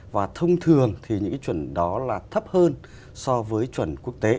và thông thường những chuẩn đó là thấp hơn so với chuẩn quốc tế